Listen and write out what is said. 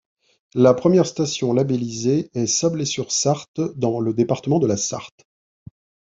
La première station labellisée est Sablé-sur-Sarthe dans le département de la Sarthe.